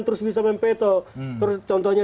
terus bisa mempeto terus contohnya